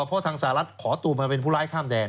เพราะทางสหรัฐขอตัวมาเป็นผู้ร้ายข้ามแดน